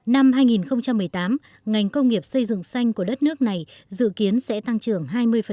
năm hai nghìn một mươi tám ngành công nghiệp xây dựng xanh của đất nước này dự kiến sẽ tăng trưởng hai mươi